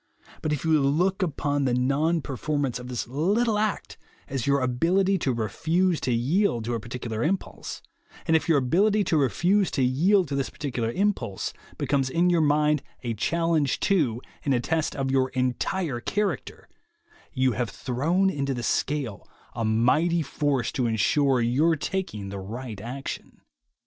But if you look upon the non performance of this little act as your ability to refuse to yield to a particular impulse, and if your ability to refuse to yield to this particular impulse becomes in your mind a challenge to and a test of your entire character, you have thrown into the scale a mighty force to ensure your taking the right action.